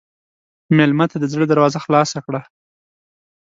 مېلمه ته د زړه دروازه خلاصه کړه.